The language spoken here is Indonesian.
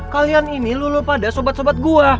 kalian ini luluh pada sobat sobat gue